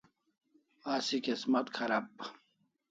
Asi kesmat kharab